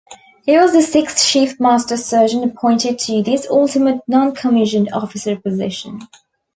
He was the sixth chief master sergeant appointed to this ultimate noncommissioned officer position.